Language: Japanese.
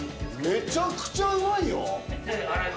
めちゃくちゃうまいよ。